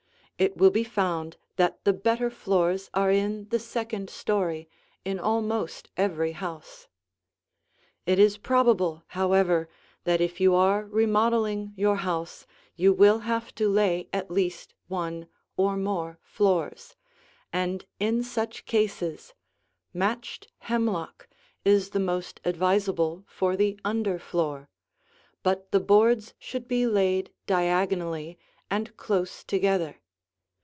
It will be found that the better floors are in the second story in almost every house. It is probable, however, that if you are remodeling your house, you will have to lay at least one or more floors, and in such cases, matched hemlock is the most advisable for the under floor; but the boards should be laid diagonally and close together.